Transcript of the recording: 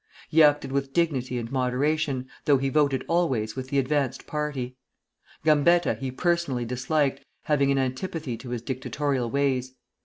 He acted with dignity and moderation, though he voted always with the advanced party. Gambetta he personally disliked, having an antipathy to his dictatorial ways.